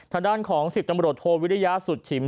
ทางด้านของ๑๐ตำรวจโทวิริยาสุดฉิม